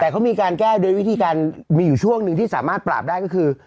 แต่เขามีการแก้โดยวิธีการมีอยู่ช่วงหนึ่งที่สามารถปราบได้ก็คือ